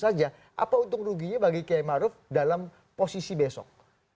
apa untuk ruginya bagi kiai ma'ruf dalam posisi besok